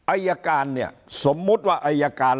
อายการเนี่ยสมมุติว่าอายการ